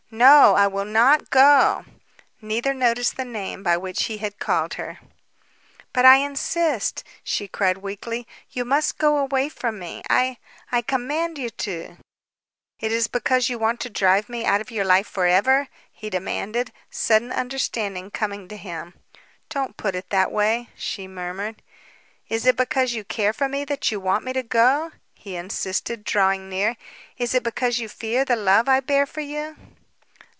No; I will not go!" Neither noticed the name by which he had called her. "But I insist," she cried weakly. "You must go away from me. I I command you to " "Is it because you want to drive me out of your life forever?" he demanded, sudden understanding coming to him. "Don't put it that way," she murmured. "Is it because you care for me that you want me to go?" he insisted, drawing near. "Is it because you fear the love I bear for you?"